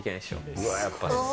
うわ、やっぱ。